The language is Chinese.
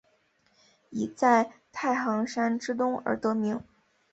以在太行山之东而得名。